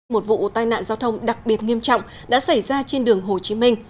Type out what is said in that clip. một vụ tai nạn giao thông đặc biệt nghiêm trọng đã xảy ra trên đường hồ chí minh